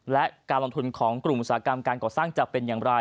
และการลงทุนของกลุ่มอุตสาหกรรมการก่อสร้างจะเป็นอย่างไร